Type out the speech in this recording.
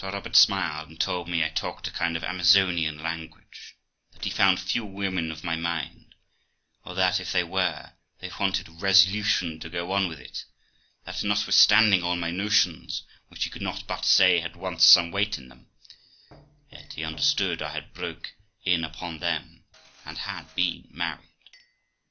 Sir Robert smiled, and told me I talked a kind of Amazonian language ; that he found few women of my mind, or that, if they were, they wanted resolution to go on with it; that, notwithstanding all my notions, which he could not but say had once some weight in them, yet he understood I had broke in upon them, and had been married.